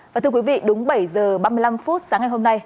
và thưa quý vị đúng bảy giờ ba mươi năm phút sáng ngày hôm nay